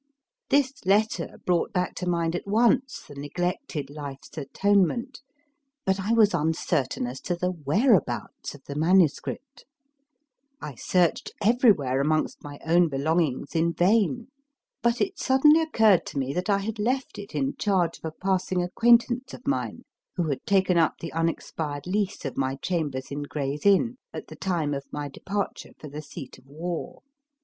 This letter brought back to mind at once the neglected Life s Atonement, but I was uncertain as to the whereabouts of the MS. I searched everywhere amongst my own belongings in vain, but it suddenly occurred to me that I had left it in charge of a passing acquaintance of mine, who had taken up the unexpired lease of my chambers in Gray s Inn at the time of my departure for the seat of war.